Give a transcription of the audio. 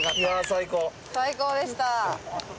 最高でした。